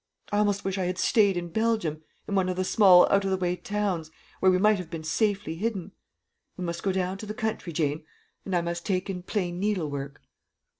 I almost wish I had stayed in Belgium in one of the small out of the way towns, where we might have been safely hidden. We must go down to the country, Jane, and I must take in plain needle work."